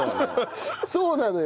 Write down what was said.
そうなのよ。